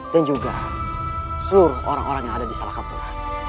dan juga seluruh orang orang yang ada di salah kapol